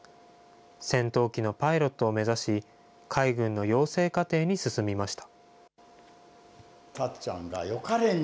戦闘機のパイロットを目指し、海軍の養成課程に進みました。